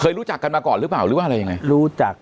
รู้จักกันมาก่อนหรือเปล่าหรือว่าอะไรยังไงรู้จัก